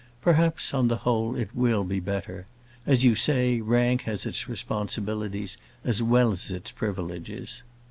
Perhaps, on the whole, it will be better. As you say, rank has its responsibilities as well as its privileges.